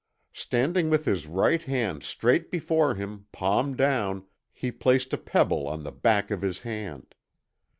Standing with his right hand straight before him, palm down, he placed a pebble on the back of his hand.